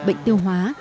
bệnh tiêu hóa